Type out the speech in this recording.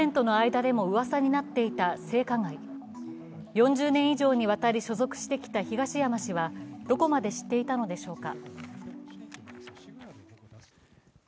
４０年以上にわたり所属していた東山氏はどこまで知っていたのでしょうか。